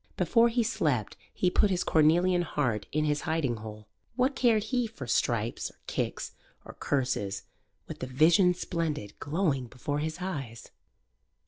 Before he slept he put his cornelian heart in his hiding hole. What cared he for stripes or kicks or curses with the Vision Splendid glowing before his eyes?